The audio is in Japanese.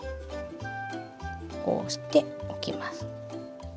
こうしておきます。